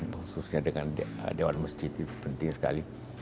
khususnya dengan dewan masjid itu penting sekali